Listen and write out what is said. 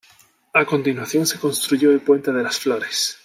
A continuación, se construyó el puente de las Flores.